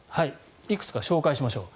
いくつか紹介しましょう。